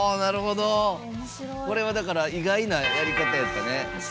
これはだから意外なやり方やったね。